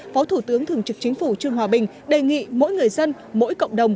phó thủ tướng thường trực chính phủ trương hòa bình đề nghị mỗi người dân mỗi cộng đồng